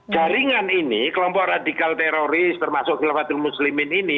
jaringan ini kelompok radikal teroris termasuk khilafatul muslimin ini